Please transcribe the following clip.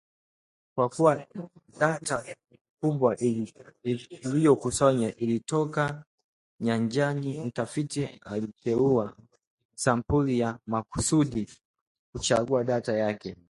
Kwa kuwa data kubwa iliyokusanywa ilitoka nyanjani, mtafiti aliteua sampuli ya maksudi kuchagua data yake